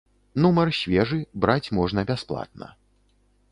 Нумар свежы, браць можна бясплатна.